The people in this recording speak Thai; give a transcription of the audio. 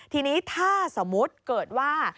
ทีนี้ถ้าสมมุติเกิดว่า